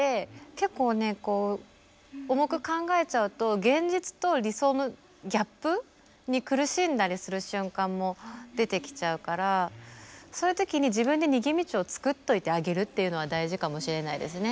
結構ねこう重く考えちゃうと現実と理想のギャップに苦しんだりする瞬間も出てきちゃうからそういうときに自分で逃げ道を作っておいてあげるっていうのは大事かもしれないですね。